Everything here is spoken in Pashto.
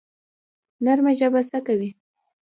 نرمه ژبه څه کوي؟